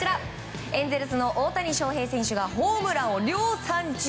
エンゼルスの大谷翔平選手がホームランを量産中！